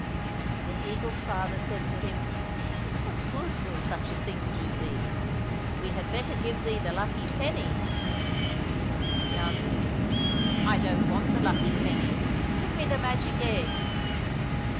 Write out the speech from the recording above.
— And the eagle's father said to him, '* What good will such a thing do thee ? We had better give thee the lucky penny !"— But he answered, " I don't want the lucky penny, give me the magic egg